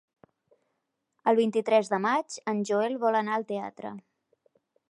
El vint-i-tres de maig en Joel vol anar al teatre.